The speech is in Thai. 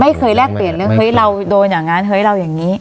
แลกเปลี่ยนเรื่องเฮ้ยเราโดนอย่างนั้นเฮ้ยเราอย่างนี้